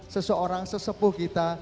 seseorang sesepuh kita